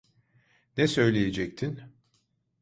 Ne söyleyecektin?